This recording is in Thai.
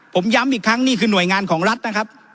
ผมย้ำอีกครั้งนี่คือหน่วยงานของรัฐนะครับ